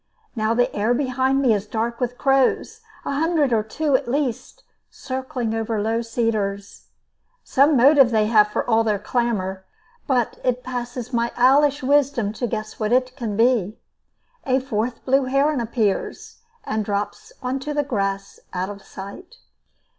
Now the air behind me is dark with crows, a hundred or two, at least, circling over the low cedars. Some motive they have for all their clamor, but it passes my owlish wisdom to guess what it can be. A fourth blue heron appears, and drops into the grass out of sight.